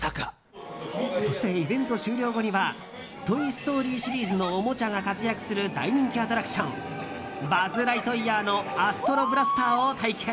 そしてイベント終了後には「トイ・ストーリー」シリーズのおもちゃが活躍する大人気アトラクションバズ・ライトイヤーのアストロブラスターを体験。